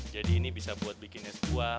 jadi ini bisa buat bikinnya sebuah